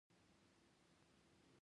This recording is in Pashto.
د فروزن سیکشن عملیاتو په وخت معاینه ده.